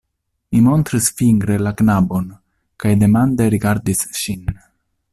Mi montris fingre la knabon kaj demande rigardis ŝin.